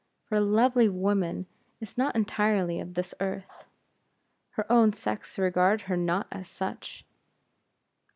For a lovely woman is not entirely of this earth. Her own sex regard her not as such.